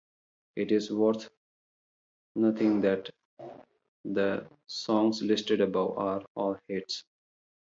It is worth noting that the songs listed above are all hits.